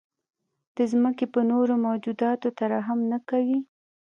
د ځمکې په نورو موجوداتو ترحم نه کوئ.